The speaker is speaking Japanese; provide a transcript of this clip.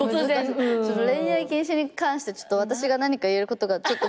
恋愛禁止に関してちょっと私が何か言えることが。